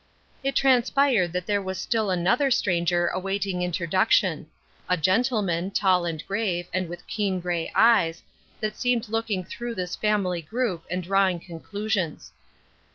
It transpired that there was still another stranger awaiting introduction — a gentleman, tall and grave, and with keen gray eyes, that seemed looking through this family grovip, and drawing conclusions.